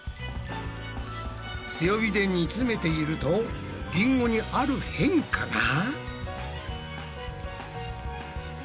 強火で煮詰めているとリンゴにある変化が。